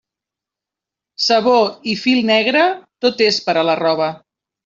Sabó i fil negre, tot és per a la roba.